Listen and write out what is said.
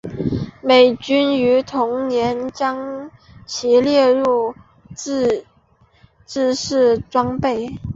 美军于同年将其列入制式装备。